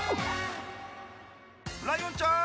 ライオンちゃん